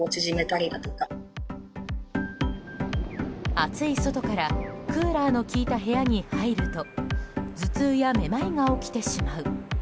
暑い外からクーラーの利いた部屋に入ると頭痛やめまいが起きてしまう。